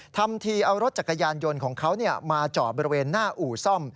ทำทีเอารถจักรยานยนต์ของเขามาจอดบริเวณหน้าอู่ซ่อม